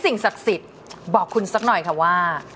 สิ่งศักดิ์สิทธิ์บอกคุณสักหน่อยค่ะว่า